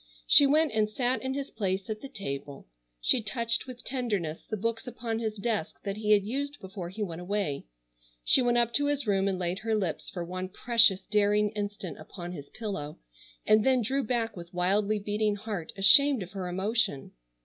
She went and sat in his place at the table, she touched with tenderness the books upon his desk that he had used before he went away, she went up to his room and laid her lips for one precious daring instant upon his pillow, and then drew back with wildly beating heart ashamed of her emotion.